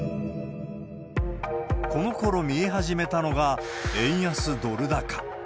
このころ見え始めたのが、円安ドル高。